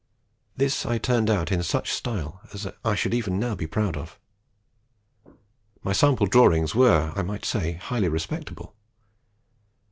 This I turned out in such a style as I should even now be proud of. My sample drawings were, I may say, highly respectable.